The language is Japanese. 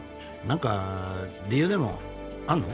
何か理由でもあんの？